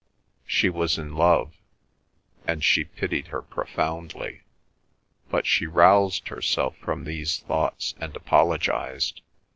She was in love, and she pitied her profoundly. But she roused herself from these thoughts and apologised.